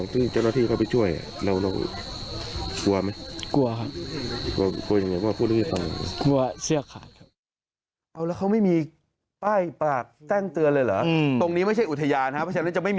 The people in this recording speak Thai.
ซึ่งเจ้าหน้าที่เขาไปช่วยเรากลัวไหม